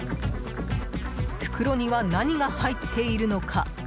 袋には何が入っているのか。